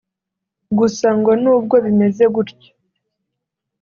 Gusa ngo n’ubwo bimeze gutyo